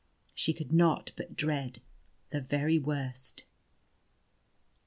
She could not but dread the very worst.